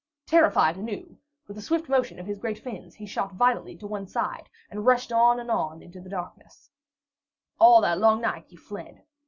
Terrified anew, with a swift motion of his great fins, he shot violently to one side and rushed on and on into the dark. All that long night he fled.